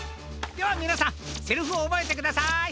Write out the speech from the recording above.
ではみなさんセリフをおぼえてください。